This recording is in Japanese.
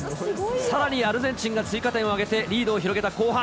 さらにアルゼンチンが追加点を挙げてリードを広げた後半。